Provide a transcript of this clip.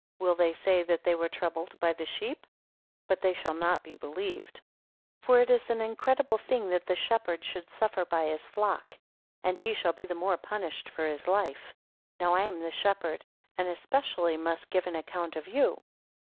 Will they say that they were troubled by the sheep? But they shall not be believed. 267 For it is an incredible thing that the shepherd should suffer by his flock; and he shall be the more punished for his life. 268 Now I am the shepherd; and especially must give an account of you.